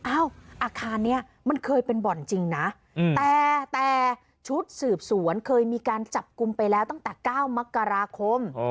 อาคารนี้มันเคยเป็นบ่อนจริงนะแต่แต่ชุดสืบสวนเคยมีการจับกลุ่มไปแล้วตั้งแต่๙มกราคม